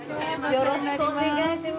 よろしくお願いします。